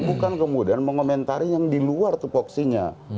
bukan kemudian mengomentari yang di luar tupoksinya